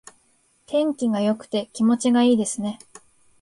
天気が良くて気持ちがいいですね。